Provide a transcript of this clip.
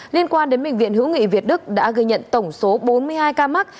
liên quan đến bệnh viện hữu nghị việt đức đã ghi nhận tổng số bốn mươi hai ca mắc